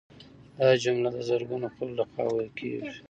دا جمله د زرګونو خلکو لخوا ویل کیږي